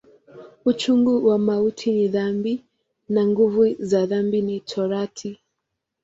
Uchungu wa mauti ni dhambi, na nguvu za dhambi ni Torati.